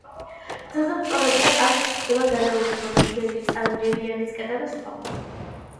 ძუძუმწოვრებიდან აქ გვხვდება გარეული ღორი, მგელი, წავი, ლელიანის კატა და სხვა.